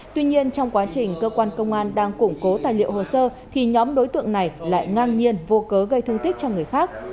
tuy nhiên trong quá trình cơ quan công an đang củng cố tài liệu hồ sơ thì nhóm đối tượng này lại ngang nhiên vô cớ gây thương tích cho người khác